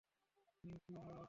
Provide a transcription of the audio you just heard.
Johnny, স্থির হয়ে বসো।